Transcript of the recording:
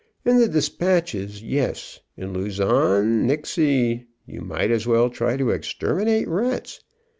In the dispatches, yes. In Luzon, nixy. You might as well try to exterminate rats.